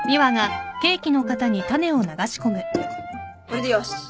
これでよし。